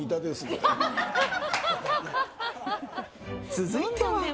続いては。